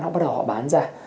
họ bắt đầu họ bán ra